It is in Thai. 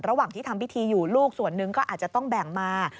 ระหว่างที่ทำพิธีอยู่ลูกส่วนหนึ่งก็อาจจะต้องแบ่งมา